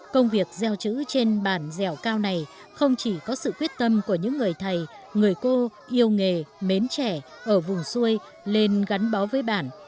công việc gieo chữ trên bản dẻo cao này không chỉ có sự quyết tâm của những người thầy người cô yêu nghề mến trẻ ở vùng xuôi lên gắn bó với bản